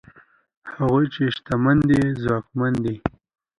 هغوی چې شتمن دي ځواکمن دي؛